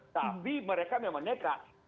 tapi mereka memang nekat